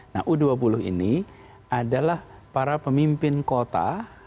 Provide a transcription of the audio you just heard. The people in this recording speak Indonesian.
nah u dua puluh ini adalah para pemimpin kota